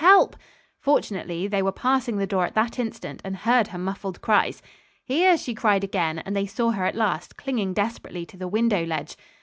Help!" Fortunately, they were passing the door at that instant and heard her muffled cries. "Here," she cried again, and they saw her at last, clinging desperately to the window ledge.